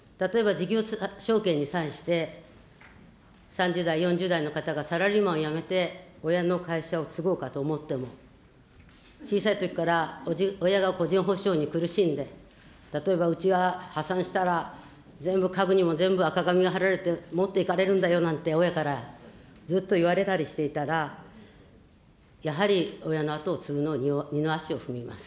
例えば事業証券に対して、３０代、４０代の方がサラリーマンを辞めて、親の会社を継ごうかと思っても、小さいときから親が個人保証に苦しんで、例えばうちは破産したら全部家具にも全部赤紙が貼られて、持っていかれるんだよなんて、親からずっと言われたりしていたら、やはり親の跡を継ぐのに二の足を踏みます。